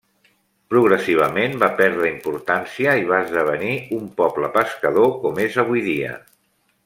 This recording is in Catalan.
Progressivament va perdre importància i va esdevenir un poble pescador com és avui dia.